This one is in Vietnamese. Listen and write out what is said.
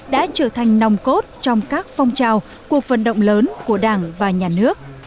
đã trở thành nòng cốt trong các phong trào cuộc vận động lớn của đảng và nhà nước